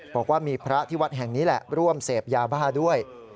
บอกว่ามีพระที่วัดแห่งนี้แหละร่วมเสพยาบ้าด้วย